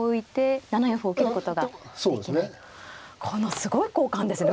すごい交換ですね。